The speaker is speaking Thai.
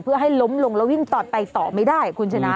เพื่อให้ล้มลงแล้ววิ่งต่อไปต่อไม่ได้คุณชนะ